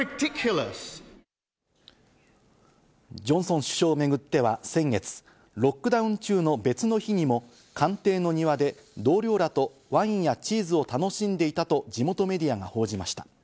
ジョンソン首相をめぐっては先月、ロックダウン中の別の日にも官邸の庭で同僚らとワインやチーズを楽しんでいたと地元メディアが報じました。